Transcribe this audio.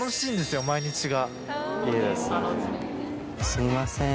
すいません。